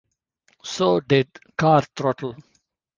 So did "Car Throttle".